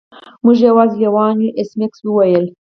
موږ یوازې لیوان یو ایس میکس وویل